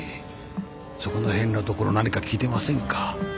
そこの辺のところ何か聞いてませんか？